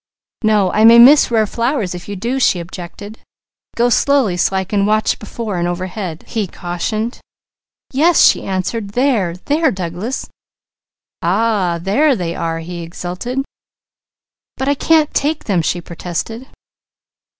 "No, I may miss rare flowers if you do," she objected. "Go slowly, so I can watch before and overhead." "Yes!" she answered. "There! There, Douglas!" "Ah! There they are!" he exulted. "But I can't take them!" she protested.